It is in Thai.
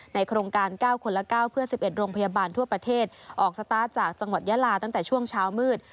โครงการ๙คนละ๙เพื่อ๑๑โรงพยาบาลทั่วประเทศออกสตาร์ทจากจังหวัดยาลาตั้งแต่ช่วงเช้ามืด